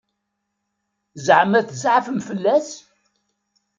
Ẓeɛma tzeɛfem fell-as?